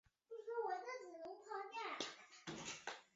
溪潭镇是中国福建省宁德市福安市下辖的一个镇。